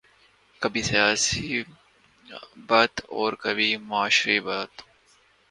کبھی سیاسی بت اور کبھی معاشرتی بت